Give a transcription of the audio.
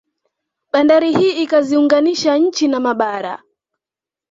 Bandari hii ikaziunganisha nchi na mabara